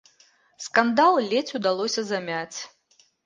Скандал ледзь удалося замяць.